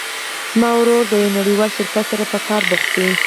زما ورور د یو نړیوال شرکت سره په کار بوخت ده